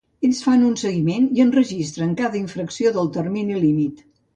Ells fan un seguiment i enregistren cada infracció del termini límit.